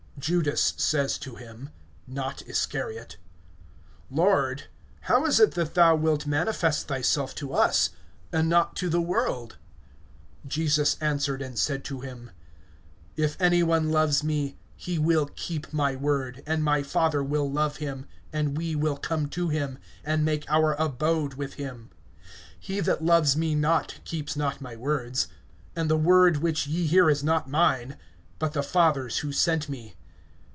(22)Judas says to him (not Iscariot): Lord, how is it that thou wilt manifest thyself to us, and not to the world? (23)Jesus answered and said to him: If any one loves me, he will keep my word; and my Father will love him, and we will come to him, and make our abode with him. (24)He that loves me not, keeps not my words; and the word which ye hear is not mine, but the Father's who sent me.